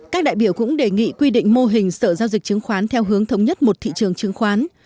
các đại biểu cũng đề nghị quy định mô hình sở giao dịch chứng khoán theo hướng thống nhất một thị trường chứng khoán